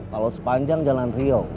kalau sepanjang jalan rio